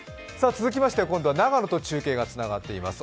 続きまして今度は長野と中継がつながっています。